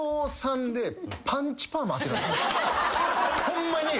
ホンマに。